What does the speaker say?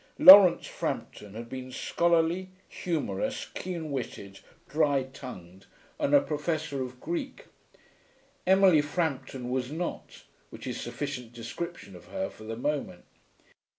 Laurence Frampton had been scholarly, humorous, keen witted, dry tongued, and a professor of Greek. Emily Frampton was not; which is sufficient description of her for the moment.